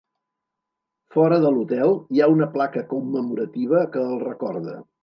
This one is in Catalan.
Fora de l'hotel hi ha una placa commemorativa que el recorda.